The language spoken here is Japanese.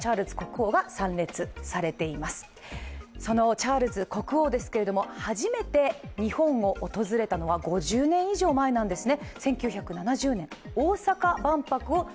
チャールズ国王ですけれども初めて日本を訪れたのは５０年以上前なんですね。